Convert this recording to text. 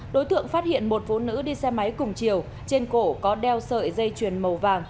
đối tượng phát hiện một phụ nữ đi xe máy cùng chiều trên cổ có đeo sợi dây chuyền màu vàng